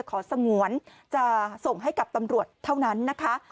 สงวนจะส่งให้กับตำรวจเท่านั้นนะคะ